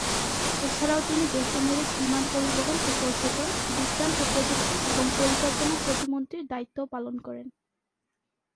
এছাড়াও, তিনি বেসামরিক বিমান পরিবহন ও পর্যটন, বিজ্ঞান ও প্রযুক্তি এবং পরিকল্পনা প্রতিমন্ত্রীর দায়িত্বও পালন করেন।